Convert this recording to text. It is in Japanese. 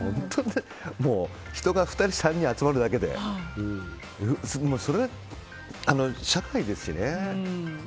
人が２人３人集まるだけでそれが社会ですしね。